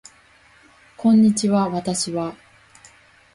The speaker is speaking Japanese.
こんにちは私は